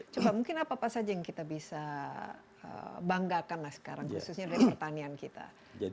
coba mungkin apa apa saja yang kita bisa banggakan lah sekarang khususnya dari pertanian kita